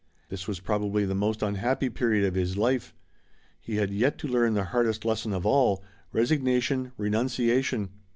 This was probably the most unhappy period of his life. He had yet to learn the hardest lesson of all, resignation, renunciation.